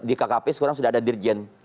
di kkp sekarang sudah ada dirjen